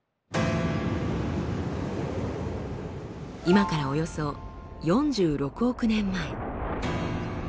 今からおよそ４６億年前。